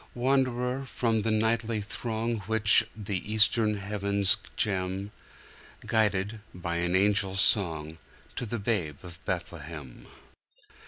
Wanderer from the nightly throng Which the eastern heavens gem; Guided, by an angel's song, To the Babe of Bethlehem.